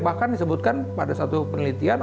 bahkan disebutkan pada satu penelitian